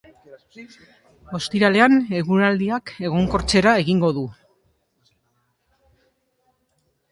Ostiralean, eguraldiak egonkortzera egingo du.